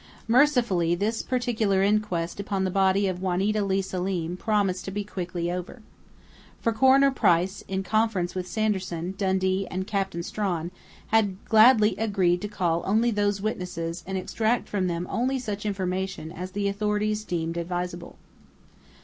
Mercifully, this particular inquest upon the body of Juanita Leigh Selim promised to be quickly over. For Coroner Price, in conference with Sanderson, Dundee and Captain Strawn, had gladly agreed to call only those witnesses and extract from them only such information as the authorities deemed advisable.